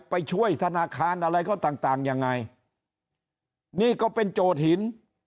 ไปช่วยธนาคารอะไรก็ต่างต่างยังไงนี่ก็เป็นโจทย์หิน